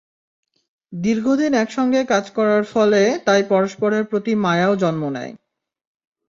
দীর্ঘদিন একসঙ্গে কাজ করার ফলে তাই পরস্পরের প্রতি মায়াও জন্ম নেয়।